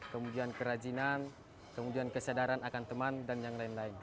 kemudian kerajinan kemudian kesadaran akan teman dan yang lain lain